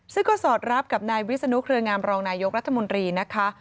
ซึ่งก็สอดรับกับนายวิศนุเครืองามรองนายกรัฐมนตรีนะคะ